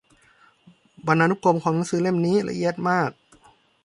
บรรณานุกรมของหนังสือเล่มนี้ละเอียดมาก